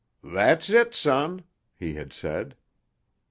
"That's it, son," he had said.